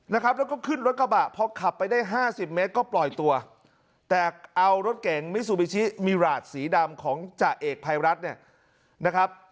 นะครับแล้วก็ขึ้นรถกระบะพอขับไปได้ห้าสิบเมตรก็ปล่อยตัวแต่เอารถเก๋งมิซูบิชิมิราชสีดำของจ่าเอกภัยรัฐเนี่ยนะครับ